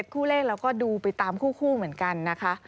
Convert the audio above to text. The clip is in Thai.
คู่เลขเราก็ดูไปตามคู่เหมือนกันนะคะ